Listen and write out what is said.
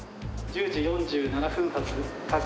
１０時４７分発